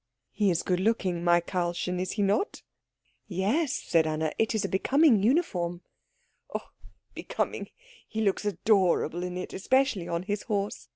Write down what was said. "He is good looking, my Karlchen, is he not?" "Yes," said Anna. "It is a becoming uniform." "Oh becoming! He looks adorable in it. Especially on his horse.